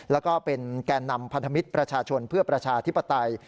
แล้วก็เป็นแก่นำพันธมิตรประชาชนเพื่อประชาธิปไตย